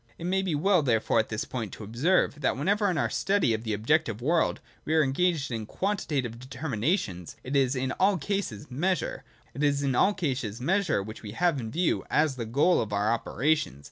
It may be well therefore at this point to observe that whenever in our study of the objective world we are engaged in quantitative determinations, it is in all cases Measure which we have in view, as the goal of our operations.